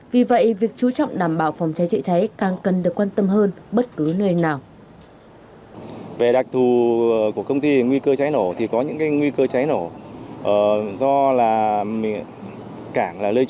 vì vậy việc chú trọng đảm bảo phòng cháy chữa cháy càng cần được quan tâm hơn bất cứ nơi nào